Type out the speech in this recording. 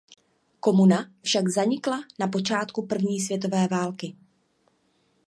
Komuna však zanikla na počátku první světové války.